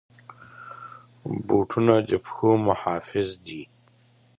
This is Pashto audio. بوټونه د پښو محافظ دي.